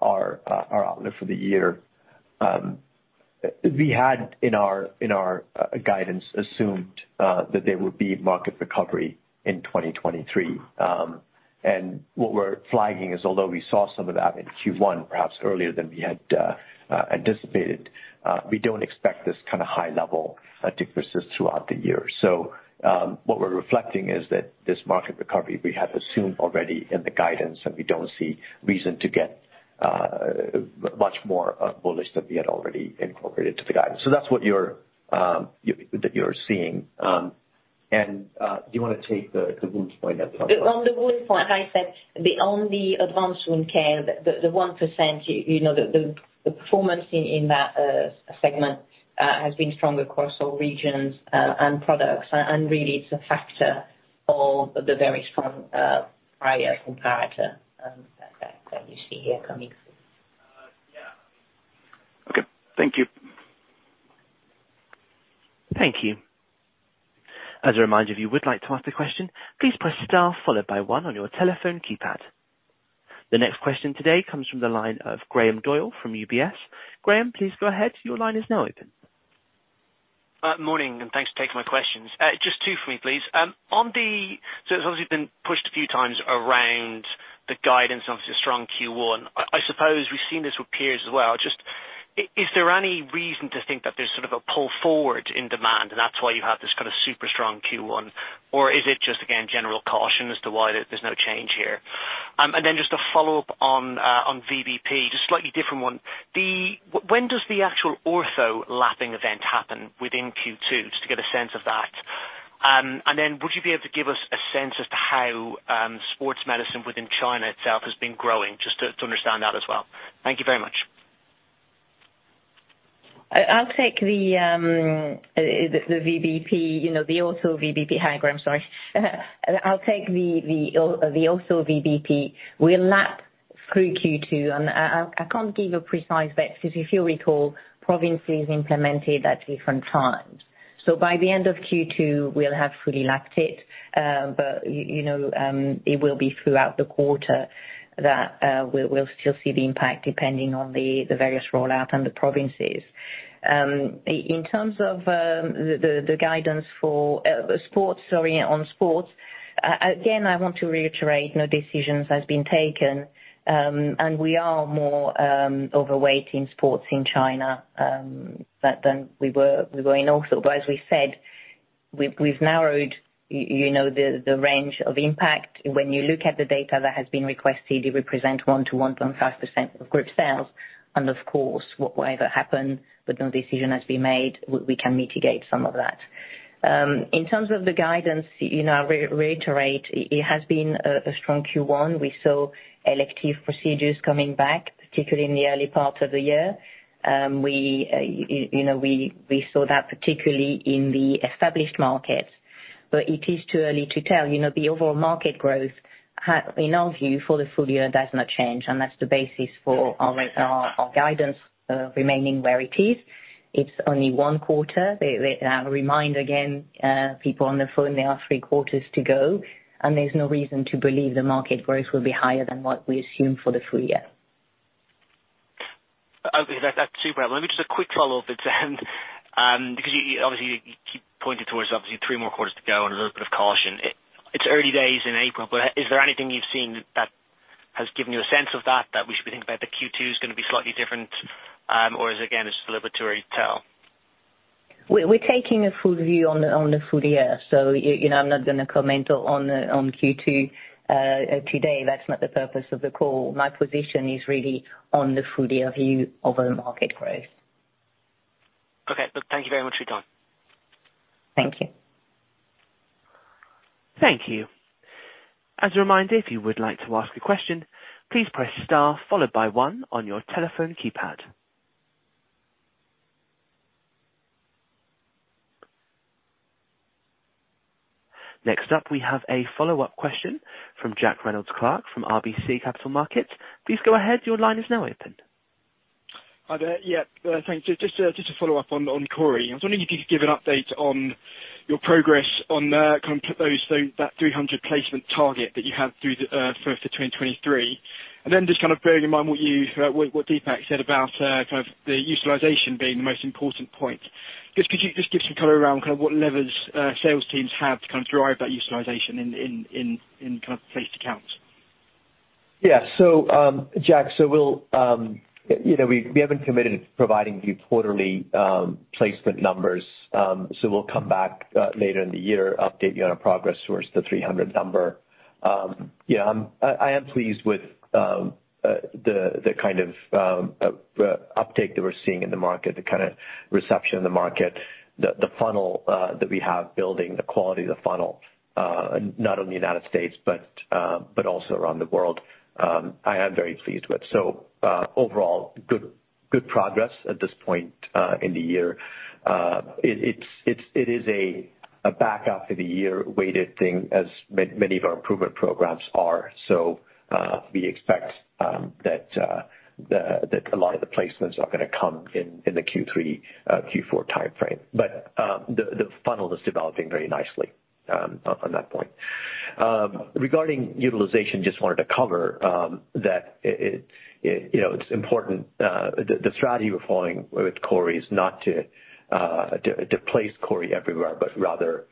outlook for the year, we had in our, in our guidance assumed that there would be market recovery in 2023. What we're flagging is, although we saw some of that in Q1, perhaps earlier than we had anticipated, we don't expect this kinda high level to persist throughout the year. What we're reflecting is that this market recovery we have assumed already in the guidance, and we don't see reason to get much more bullish than we had already incorporated to the guidance. That's what you're, that you're seeing. Do you wanna take the wound point as well? On the wound point, as I said, the only advanced wound care, the 1%, you know, the performance in that segment has been strong across all regions and products. Really it's a factor of the very strong prior comparator that you see here coming through. Okay. Thank you. Thank you. As a reminder, if you would like to ask a question, please press star followed by one on your telephone keypad. The next question today comes from the line of Graham Doyle from UBS. Graham, please go ahead. Your line is now open. Morning, thanks for taking my questions. Just two for me, please. It's obviously been pushed a few times around the guidance of the strong Q1. I suppose we've seen this with peers as well. Is there any reason to think that there's sort of a pull forward in demand, and that's why you have this kind of super strong Q1? Is it just, again, general caution as to why there's no change here? Just a follow-up on VBP, just a slightly different one. When does the actual ortho lapping event happen within Q2, just to get a sense of that? Would you be able to give us a sense as to how sports medicine within China itself has been growing, just to understand that as well? Thank you very much. I'll take the VBP, you know, the ortho VBP. Hi, Graeme. Sorry. I'll take the ortho VBP. We lap through Q2. I can't give a precise date, because if you'll recall, provinces implemented at different times. By the end of Q2, we'll have fully lapped it. You know, it will be throughout the quarter that we'll still see the impact depending on the various rollout and the provinces. In terms of the guidance for sports, sorry, on sports, again, I want to reiterate no decisions has been taken, and we are more overweight in sports in China than we were in ortho. As we said, we've narrowed, you know, the range of impact. When you look at the data that has been requested, it represent 1%-1.5% of group sales. Of course, whatever happens, but no decision has been made, we can mitigate some of that. In terms of the guidance, you know, I reiterate, it has been a strong Q1. We saw elective procedures coming back, particularly in the early part of the year. We, you know, we saw that particularly in the established markets. It is too early to tell. You know, the overall market growth, in our view for the full year does not change, and that's the basis for our guidance, remaining where it is. It's only 1 quarter. We remind again, people on the phone there are Q3 to go, there's no reason to believe the market growth will be higher than what we assume for the full year. Okay. That's super helpful. Let me just a quick follow-up. Because you, obviously, you keep pointing towards obviously three more quarters to go and a little bit of caution. It's early days in April, is there anything you've seen that has given you a sense of that we should be thinking about the Q2 is gonna be slightly different, or is, again, it's just a little bit too early to tell? We're taking a full view on the full year, so, you know, I'm not gonna comment on Q2 today. That's not the purpose of the call. My position is really on the full year view of the market growth. Okay. Look, thank you very much for your time. Thank you. Thank you. As a reminder, if you would like to ask a question, please press star followed by 1 on your telephone keypad. Next up, we have a follow-up question from Jack Reynolds-Clark from RBC Capital Markets. Please go ahead. Your line is now open. Hi there. Yeah, thanks. Just to follow up on CORI. I was wondering if you could give an update on your progress on kind of put those so that 300 placement target that you have through the for 2023. Just kind of bearing in mind what you what Deepak said about kind of the utilization being the most important point. Just could you just give some color around kind of what levers sales teams have to kind of drive that utilization in kind of placed accounts? Jack, we'll, you know, we have been committed to providing you quarterly placement numbers, so we'll come back later in the year, update you on our progress towards the 300 number. Yeah, I am pleased with the kind of uptake that we're seeing in the market, the kind of reception in the market. The funnel that we have building, the quality of the funnel, not only United States but also around the world, I am very pleased with. Overall, good progress at this point in the year. It is a back after the year weighted thing as many of our improvement programs are. lot of the placements are going to come in the Q3, Q4 timeframe. The funnel is developing very nicely on that point. Regarding utilization, just wanted to cover that it, you know, it's important, the strategy we're following with CORI is not to place CORI everywhere, but rather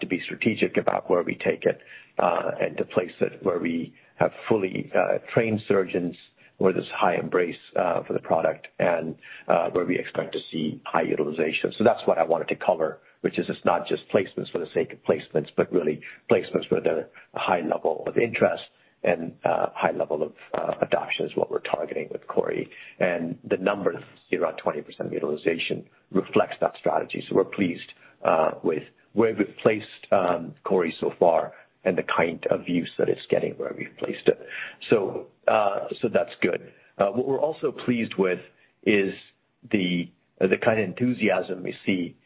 to be strategic about where we take it and to place it where we have fully trained surgeons, where there's high embrace for the product and where we expect to see high utilization. That's what I wanted to cover, which is it's not just placements for the sake of placements, but really placements with a high level of interest and high level of adoption is what we're targeting with CORI. The number around 20% utilization reflects that strategy. We're pleased with where we've placed CORI so far and the kind of use that it's getting where we've placed it. That's good. What we're also pleased with is the kind of enthusiasm we see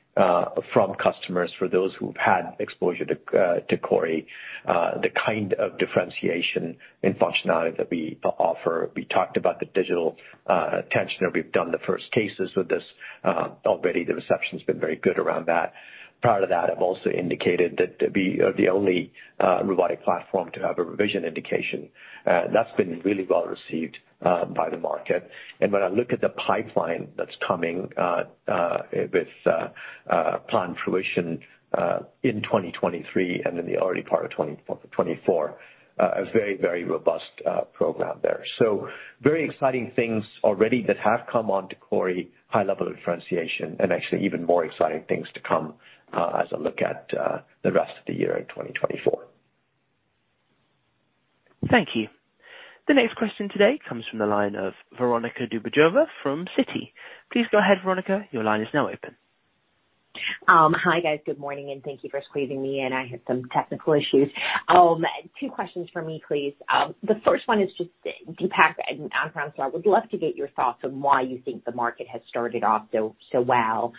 from customers for those who've had exposure to CORI, the kind of differentiation in functionality that we offer. We talked about the Digital Tensioner. We've done the first cases with this. Already the reception's been very good around that. Prior to that, I've also indicated that we are the only robotic platform to have a revision indication. That's been really well received by the market. When I look at the pipeline that's coming with planned fruition in 2023 and in the early part of 2024, a very, very robust program there. Very exciting things already that have come onto CORI, high level of differentiation, and actually even more exciting things to come as I look at the rest of the year in 2024. Thank you. The next question today comes from the line of Veronika Dubajova from Citi. Please go ahead, Veronika. Your line is now open. Hi, guys. Good morning, and thank you for squeezing me in. I had some technical issues. Two questions from me, please. The first one is just, Deepak and Anne-Françoise, so I would love to get your thoughts on why you think the market has started off so well.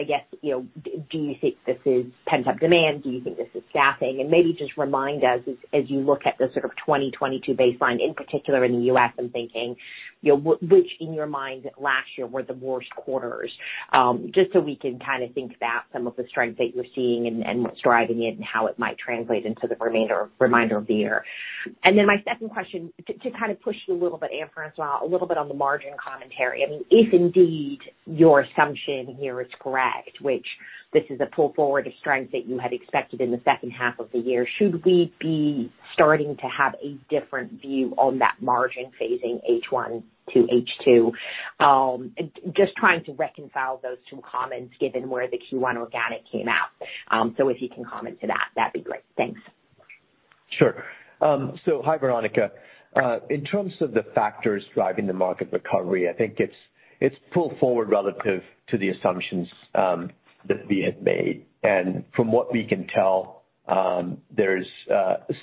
I guess, you know, do you think this is pent-up demand? Do you think this is staffing? Maybe just remind us as you look at the sort of 2022 baseline, in particular in the US, I'm thinking, you know, which in your minds last year were the worst quarters, just so we can kinda think about some of the strength that you're seeing and what's driving it and how it might translate into the remainder of the year. My second question, to kind of push you a little bit, Anne-Françoise, as well, a little bit on the margin commentary. I mean, if indeed your assumption here is correct, which this is a pull forward of strength that you had expected in the H2 of the year, should we be starting to have a different view on that margin phasing H1 to H2? Just trying to reconcile those two comments given where the Q1 organic came out. If you can comment to that'd be great. Thanks. Sure. Hi, Veronika. In terms of the factors driving the market recovery, I think it's pull forward relative to the assumptions that we had made. From what we can tell, there's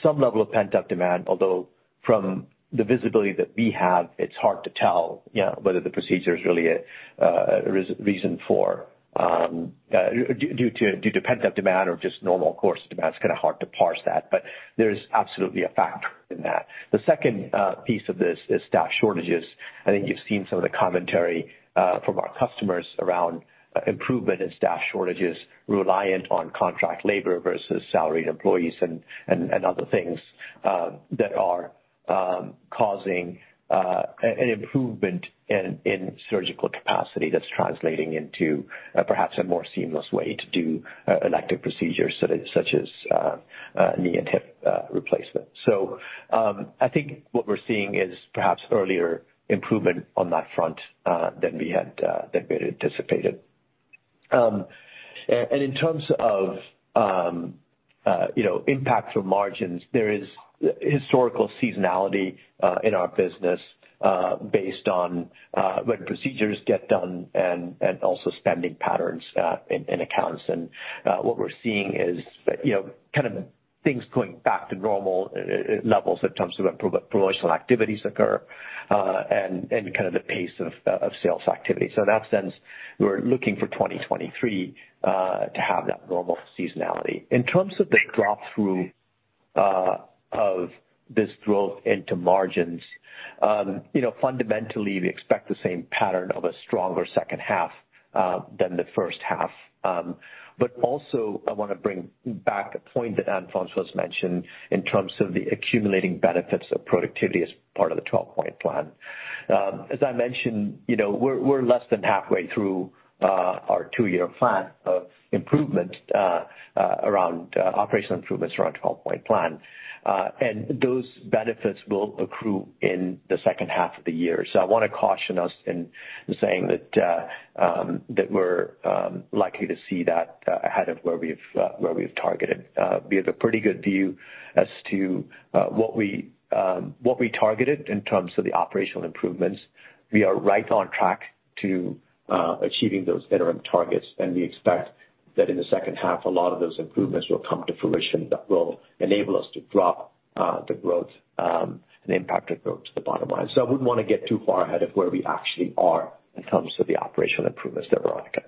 some level of pent-up demand, although from the visibility that we have, it's hard to tell, you know, whether the procedure is really a reason for due to pent-up demand or just normal course demand. It's kinda hard to parse that, but there is absolutely a factor in that. The second piece of this is staff shortages. I think you've seen some of the commentary, from our customers around improvement in staff shortages reliant on contract labor versus salaried employees and other things, that are causing an improvement in surgical capacity that's translating into perhaps a more seamless way to do elective procedures such as, knee and hip replacement. I think what we're seeing is perhaps earlier improvement on that front than we had anticipated. In terms of, you know, impact from margins, there is historical seasonality in our business, based on when procedures get done and also spending patterns in accounts. What we're seeing is that, you know, kind of things going back to normal levels in terms of when pro-promotional activities occur, and kind of the pace of sales activity. In that sense, we're looking for 2023 to have that normal seasonality. In terms of the drop-through of this growth into margins, you know, fundamentally, we expect the same pattern of a stronger H2 than the H1. Also I wanna bring back a point that Anne-Françoise mentioned in terms of the accumulating benefits of productivity as part of the 12-Point Plan. As I mentioned, you know, we're less than halfway through our two-year plan of improvement around operational improvements around 12-Point Plan. Those benefits will accrue in the H2 of the year. I wanna caution us in saying that we're likely to see that ahead of where we've targeted. We have a pretty good view as to what we targeted in terms of the operational improvements. We are right on track to achieving those interim targets, and we expect that in the H2, a lot of those improvements will come to fruition that will enable us to drop the growth and impact the growth to the bottom line. I wouldn't wanna get too far ahead of where we actually are in terms of the operational improvements that we're on track.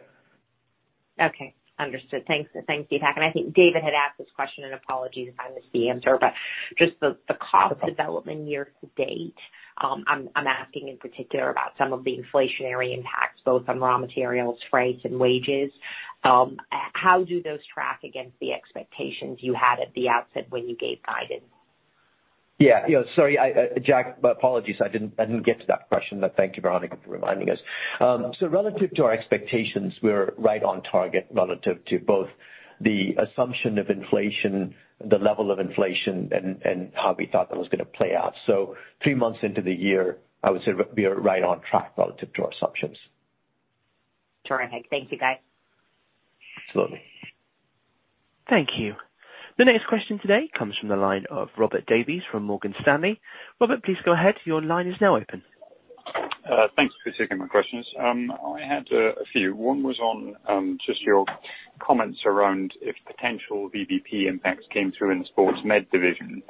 Okay. Understood. Thanks, Deepak. I think David had asked this question, and apologies if I missed the answer, but just the cost development year-to-date, I'm asking in particular about some of the inflationary impacts, both on raw materials, freight, and wages. How do those track against the expectations you had at the outset when you gave guidance? Yeah. Sorry. I, Jack, apologies, I didn't get to that question, but thank you, Veronika, for reminding us. Relative to our expectations, we're right on target relative to both the assumption of inflation, the level of inflation, and how we thought that was going to play out. Three months into the year, I would say we are right on track relative to our assumptions. Terrific. Thank you, guys. Absolutely. Thank you. The next question today comes from the line of Robert Davies from Morgan Stanley. Robert, please go ahead. Your line is now open. Thanks for taking my questions. I had a few. One was on just your comments around if potential VBP impacts came through in the Sports Med division.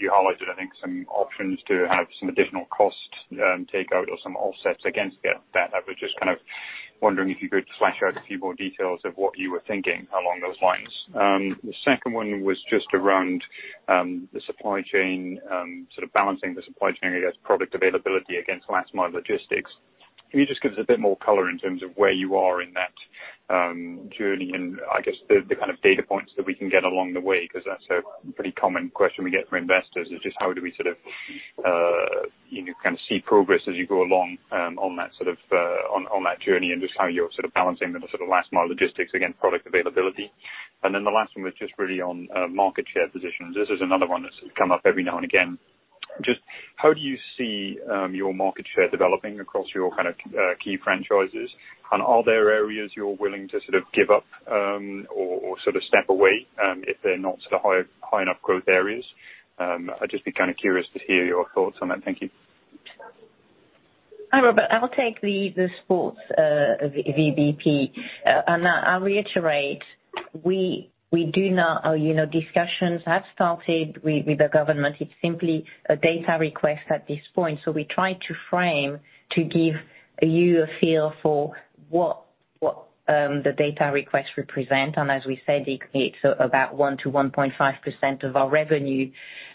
You highlighted, I think, some options to have some additional cost takeout or some offsets against that. I was just kind of wondering if you could flash out a few more details of what you were thinking along those lines. The second one was just around the supply chain, sort of balancing the supply chain against product availability against last mile logistics. Can you just give us a bit more color in terms of where you are in that journey and I guess the kind of data points that we can get along the way? 'Cause that's a pretty common question we get from investors, is just how do we sort of, you know, kind of see progress as you go along, on that sort of, on that journey and just how you're sort of balancing the sort of last mile logistics against product availability. The last one was just really on market share positions. This is another one that's come up every now and again. Just how do you see your market share developing across your kind of, key franchises? Are there areas you're willing to sort of give up, or sort of step away, if they're not sort of high enough growth areas? I'd just be kinda curious to hear your thoughts on that. Thank you. Hi, Robert. I'll take the sports VBP. I'll reiterate, we do not... you know, discussions have started with the government. It's simply a data request at this point, so we try to frame to give you a feel for what the data request represent. As we said, it's about 1% to 1.5% of our revenue,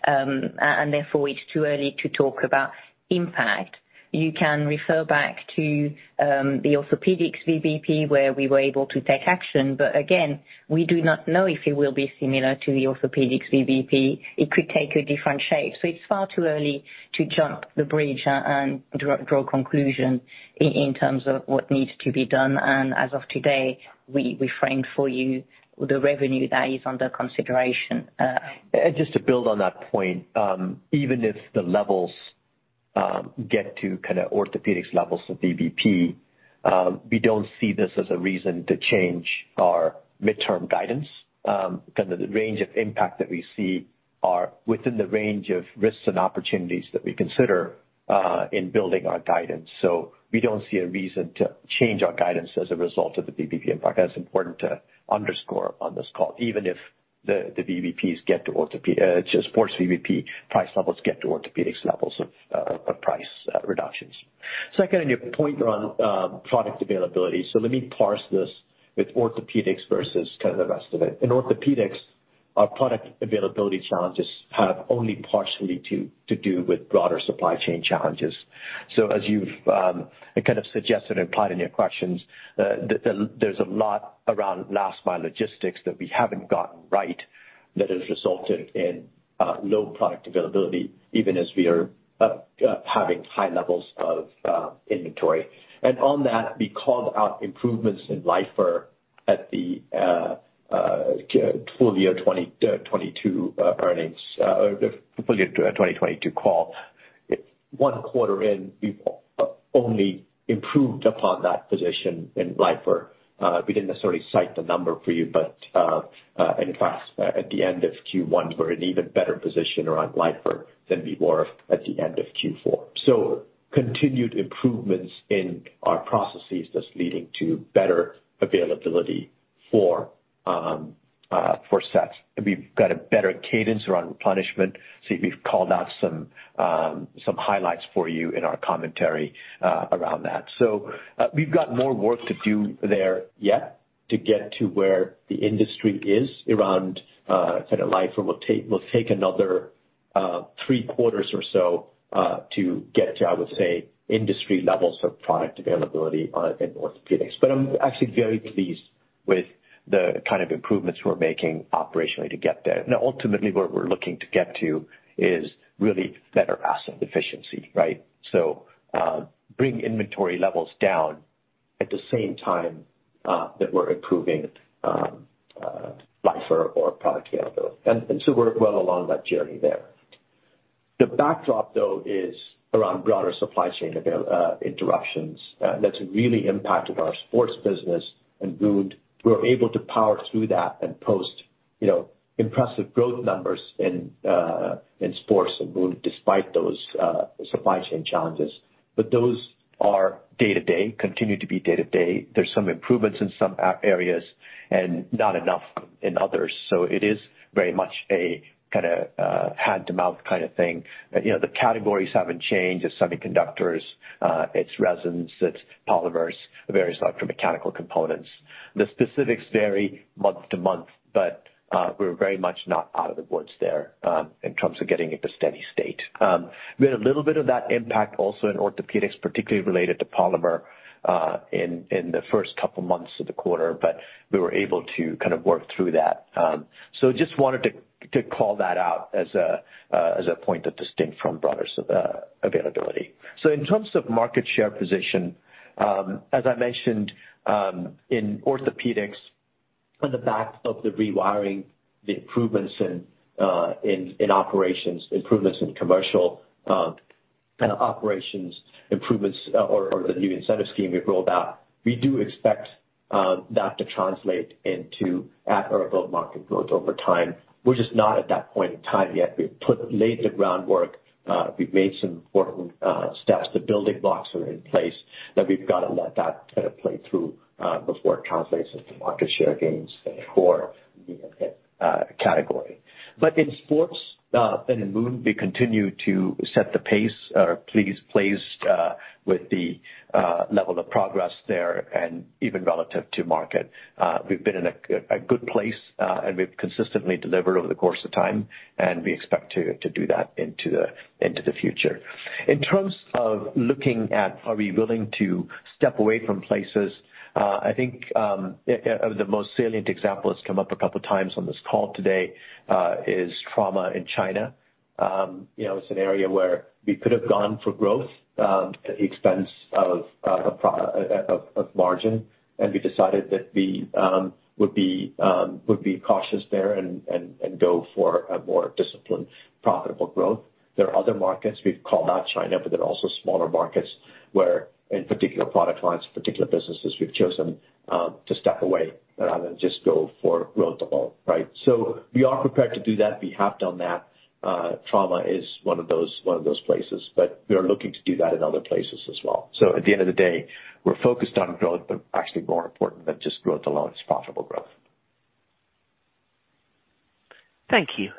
and therefore it's too early to talk about impact. You can refer back to the orthopedics VBP, where we were able to take action. Again, we do not know if it will be similar to the orthopedics VBP. It could take a different shape. It's far too early to jump the bridge and draw conclusions in terms of what needs to be done. As of today, we framed for you the revenue that is under consideration. Just to build on that point, even if the levels get to kindopedics levels of VBP, we don't see this as a reason to change our midterm guidance, 'cause the range of impact that we see are within the range of risks and opportunities that we consider in building our guidance. We don't see a reason to change our guidance as a result of the VBP impact. That's important to underscore on this call, even if the VBPs get to sports VBP price levels get to orthopedics levels of price reductions. Second, on your point around product availability, let me parse this with orthopedics versus kind of the rest of it. In orthopedics, our product availability challenges have only partially to do with broader supply chain challenges. As you've kind of suggested, implied in your questions, there's a lot around last mile logistics that we haven't gotten right that has resulted in low product availability, even as we are having high levels of inventory. On that, we called out improvements At the full year 2022 earnings or the full year 2022 call. One quarter in, we've only improved upon that position in SOFR. We didn't necessarily cite the number for you, in fact, at the end of Q1, we're in even better position around SOFR than we were at the end of Q4. Continued improvements in our processes that's leading to better availability for sets. We've got a better cadence around replenishment. We've called out some highlights for you in our commentary around that. We've got more work to do there yet to get to where the industry is around kind of SOFR. We'll take another three quarters or so to get to, I would say, industry levels of product availability in orthopedics. I'm actually very pleased with the kind of improvements we're making operationally to get there. Ultimately, where we're looking to get to is really better asset efficiency, right? Bring inventory levels down at the same time that we're improving SOFR or product availability. We're well along that journey there. The backdrop, though, is around broader supply chain interruptions that's really impacted our sports business and ENT. We're able to power through that and post, you know, impressive growth numbers in sports and ENT despite those supply chain challenges. Those are day-to-day, continue to be day-to-day. There's some improvements in some areas and not enough in others. It is very much a kinda hand-to-mouth kinda thing. You know, the categories haven't changed. It's semiconductors, it's resins, it's polymers, various electromechanical components. The specifics vary month to month, but we're very much not out of the woods there in terms of getting at the steady state. We had a little bit of that impact also in orthopedics, particularly related to polymer in the first couple months of the quarter, but we were able to kind of work through that. Just wanted to call that out as a point of distinct from broader availability. In terms of market share position, as I mentioned, in orthopedics on the back of the rewiring, the improvements in operations, improvements in commercial kinda operations improvements or the new incentive scheme we've rolled out, we do expect that to translate into at or above market growth over time. We're just not at that point in time yet. We've laid the groundwork, we've made some important steps. The building blocks are in place, but we've got to let that kinda play through before it translates into market share gains for the category. In sports and in ENT, we continue to set the pace. Pleased with the level of progress there and even relative to market. We've been in a good place, and we've consistently delivered over the course of time. We expect to do that into the future. In terms of looking at are we willing to step away from places, I think, the most salient example has come up a couple times on this call today, is trauma in China. You know, it's an area where we could have gone for growth at the expense of margin. We decided that we would be cautious there and go for a more disciplined, profitable growth. There are other markets we've called out China, but there are also smaller markets where in particular product lines, particular businesses we've chosen, to step away rather than just go for growth alone, right? We are prepared to do that. We have done that. Trauma is one of those places. We are looking to do that in other places as well. At the end of the day, we're focused on growth, but actually more important than just growth alone is profitable growth. Thank you.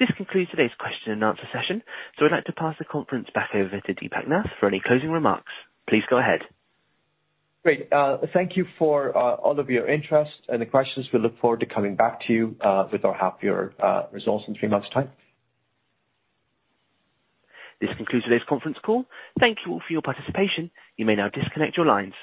This concludes today's question and answer session. I'd like to pass the conference back over to Deepak Nath for any closing remarks. Please go ahead. Great. Thank you for all of your interest and the questions. We look forward to coming back to you with our half year results in three months' time. This concludes today's conference call. Thank you all for your participation. You may now disconnect your lines.